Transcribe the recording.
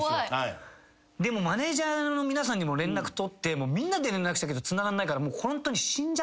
マネジャーの皆さんにも連絡取ってみんなで連絡したけどつながんないから。